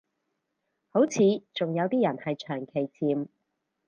好似仲有啲人係長期潛